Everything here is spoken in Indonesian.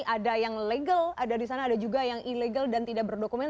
ada yang legal ada di sana ada juga yang ilegal dan tidak berdokumen